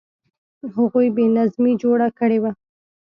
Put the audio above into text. هغوی بې نظمي جوړه کړې وه.